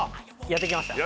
やってきました